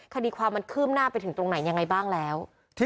คดีความมันคืบหน้าไปถึงตรงไหนยังไงบ้างแล้ว